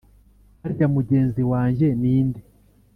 Harya mugenzi wanjye ni nde